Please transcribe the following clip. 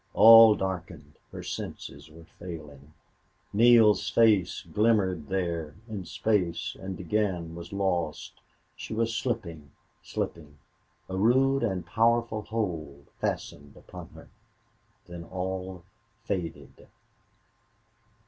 All darkened her senses were failing. Neale's face glimmered there in space and again was lost. She was slipping slipping A rude and powerful hold fastened upon her. Then all faded.